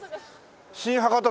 新博多